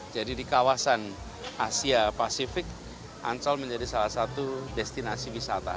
di kawasan asia pasifik ancol menjadi salah satu destinasi wisata